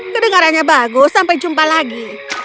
kedengarannya bagus sampai jumpa lagi